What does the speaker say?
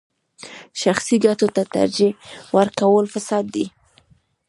شخصي ګټو ته ترجیح ورکول فساد دی.